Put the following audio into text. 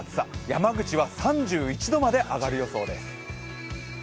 山口は３１度まで上がる予想です。